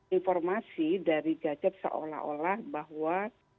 informasi dari gadget seolah olah bahwa